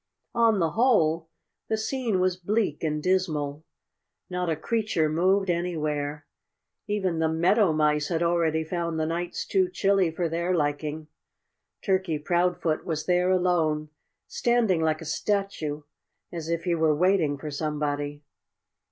On the whole, the scene was bleak and dismal. Not a creature moved anywhere. Even the meadow, mice had already found the nights too chilly for their liking. Turkey Proudfoot was there alone, standing like a statue, as if he were waiting for somebody.